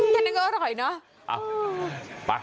แค่นั้นก็อร่อยเนอะ